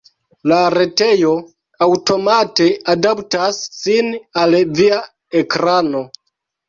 La retejo aŭtomate adaptas sin al via ekrano.